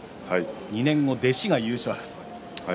２年後、弟子が優勝争い。